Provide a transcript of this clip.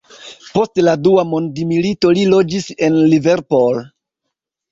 Post la dua mondmilito li loĝis en Liverpool.